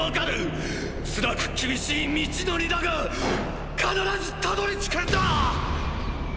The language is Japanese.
つらく厳しい道のりだが必ずたどりつくんだ！！